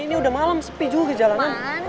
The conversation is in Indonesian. ini udah malam sepi juga jalanan